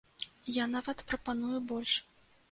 Я нават прапаную больш.